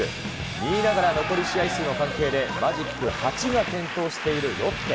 ２位ながら残り試合数の関係でマジック８が点灯しているロッテ。